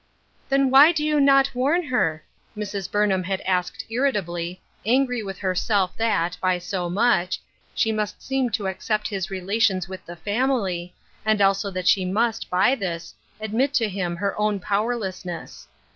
"Then why do you not warn her?" Mrs. Burnham had asked irritably, angry with herself that, by so much, she must seem to accept his relations with the family, and also that she must, by this, admit to him her own powerlessness.